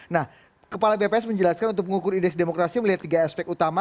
nah kepala bps menjelaskan untuk mengukur indeks demokrasi melihat tiga aspek utama